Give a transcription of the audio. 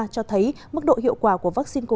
cho thấy mức độ hiệu quả của vaccine